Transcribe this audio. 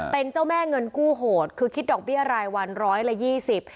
เป็นเจ้าแม่เงินกู้โหดคือคิดดอกเบี้ยรายวันร้อยละยี่สิบ